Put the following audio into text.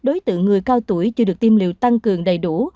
đối tượng người cao tuổi chưa được tiêm liều tăng cường đầy đủ